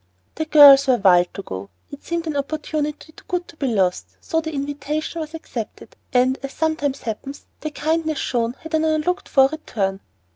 The girls were wild to go, it seemed an opportunity too good to be lost; so the invitation was accepted, and, as sometimes happens, the kindness shown had an unlooked for return.